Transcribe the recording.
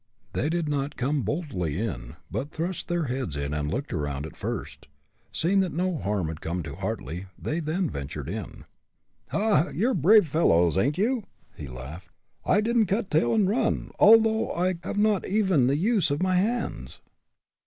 They did not come boldly in, but thrust their heads in and took a look around first. Seeing that no harm had come to Hartly, they then ventured in. "Ha! ha! you're brave fellows, ain't you?" he laughed. "I didn't cut tail and run, although I have not even the use of my hands."